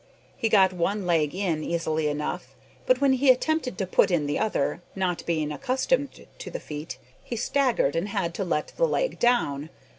He got one leg in easily enough, but when he attempted to put in the other, not being accustomed to the feat, he staggered and had to let the leg down.